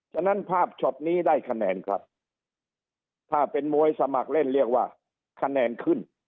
ฉะนั้นภาพช็อตนี้ได้คะแนนครับถ้าเป็นมวยสมัครเล่นเรียกว่าคะแนนขึ้น